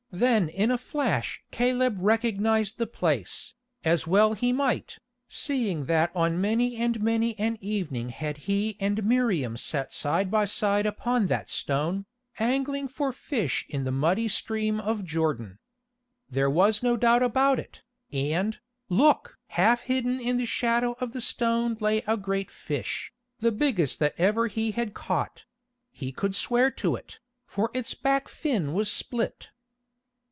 Then in a flash Caleb recognised the place, as well he might, seeing that on many and many an evening had he and Miriam sat side by side upon that stone, angling for fish in the muddy stream of Jordan. There was no doubt about it, and, look! half hidden in the shadow of the stone lay a great fish, the biggest that ever he had caught—he could swear to it, for its back fin was split.